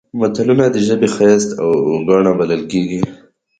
متلونه د ژبې ښایست او ګاڼه بلل کیږي